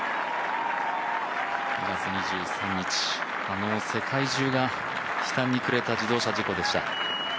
２月２３日、世界中が悲嘆に暮れた自動車事故でした。